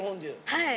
はい。